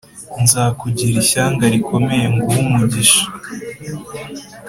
Nzakugira ishyanga rikomeye nguhe umugisha